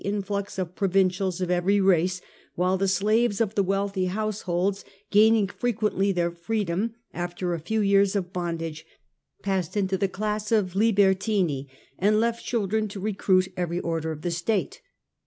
i*jj influx of provincials of every race; while the slaves of the wealthy households, gaining frequently their freedom after a few years of bondage, passed into the class of libertmi^ and left children to recruit every order of the state.